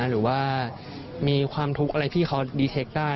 หรือว่ามีความทุกข์อะไรที่เขาดีเช็คได้